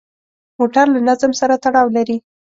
موټر له نظم سره تړاو لري.